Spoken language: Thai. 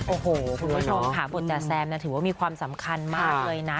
โอ้โหคุณผู้ชมค่ะบทจาแซมถือว่ามีความสำคัญมากเลยนะ